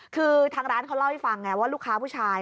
คือทางร้านเขาเล่าให้ฟังไงว่าลูกค้าผู้ชาย